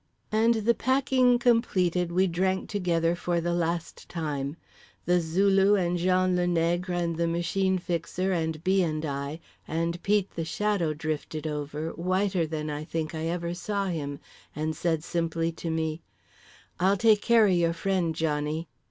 And, the packing completed, we drank together for The Last Time. The Zulu and Jean Le Nègre and the Machine Fixer and B. and I—and Pete The Shadow drifted over, whiter than I think I ever saw him, and said simply to me: "I'll take care o' your friend, Johnny."